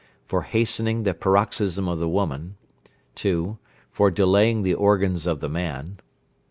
For hastening the paroxysm of the woman. 2. For delaying the organs of the man.